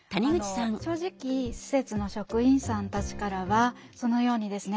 正直施設の職員さんたちからはそのようにですね